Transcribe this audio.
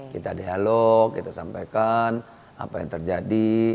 kita dialog kita sampaikan apa yang terjadi